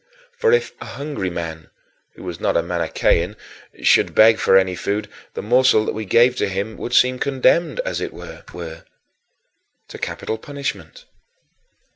For, if a hungry man who was not a Manichean should beg for any food, the morsel that we gave to him would seem condemned, as it were, to capital punishment.